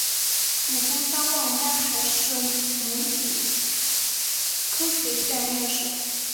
鲁布桑旺丹还是蒙古科学院院士。